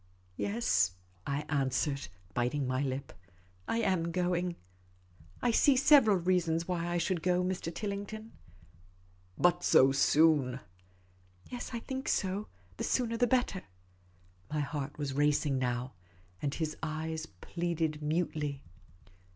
" Yes," I answered, biting The Supercilious Attache 55 my lip, " I am going. I see several reasons why I should go, Mr. Tillington." "But so soon?" " Yes, I think so ; the sooner the better." My heart was racing now, and his eyes pleaded mutely.